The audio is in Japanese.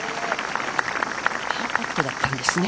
パーパットだったんですね。